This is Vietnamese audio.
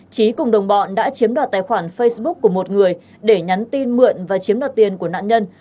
trí cùng đồng bọn đã chiếm đoạt tài khoản facebook của một người để nhắn tin mượn và chiếm đoạt tiền của nạn nhân